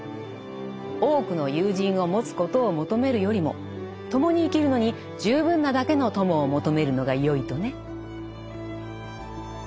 多くの友人を持つことを求めるよりも共に生きるのに十分なだけの友を求めるのがよいとね。